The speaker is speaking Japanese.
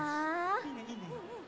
いいねいいね。